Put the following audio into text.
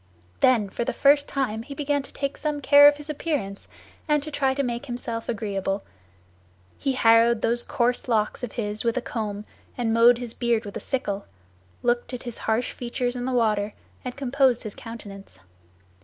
Then for the first time he began to take some care of his appearance, and to try to make himself agreeable; he harrowed those coarse locks of his with a comb, and mowed his beard with a sickle, looked at his harsh features in the water, and composed his countenance.